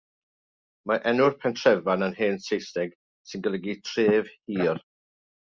Mae enw'r pentrefan yn Hen Saesneg sy'n golygu “tref hir”.